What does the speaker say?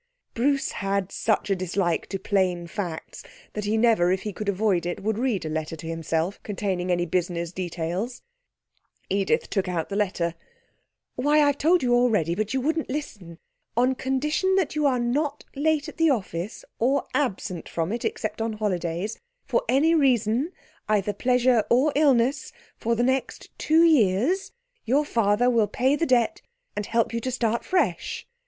Bruce had such a dislike to plain facts that he never, if he could avoid it, would read a letter to himself containing any business details. Edith took out the letter. 'Why I've told you already, but you wouldn't listen. On condition that you are not late at the office or absent from it except on holidays, for any reason, either pleasure or illness, for the next two years, your father will pay the debt and help you to start fresh.'